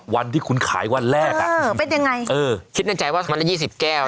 วันที่คุณขายวันแรกอ่ะเออเป็นยังไงเออคิดในใจว่าวันละยี่สิบแก้ว